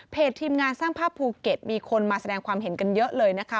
ทีมงานสร้างภาพภูเก็ตมีคนมาแสดงความเห็นกันเยอะเลยนะคะ